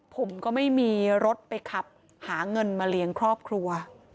ผมก็ไม่มีรถไปขับหาเงินมาเลี้ยงครอบครัว